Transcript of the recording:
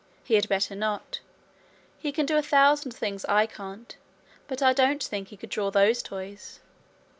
He had better not. He can do a thousand things I can't, but I don't think he could draw those toys.